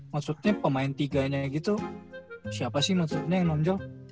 maksudnya pemain tiga nya gitu siapa sih maksudnya yang nonjol